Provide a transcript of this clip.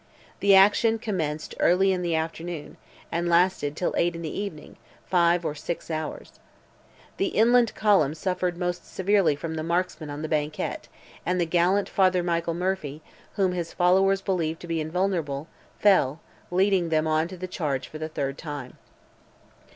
The action commenced early in the afternoon, and lasted till eight in the evening—five or six hours. The inland column suffered most severely from the marksmen on the banquette, and the gallant Father Michael Murphy, whom his followers believed to be invulnerable, fell leading them on to the charge for the third time.